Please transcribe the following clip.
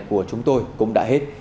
của chúng tôi cũng đã hết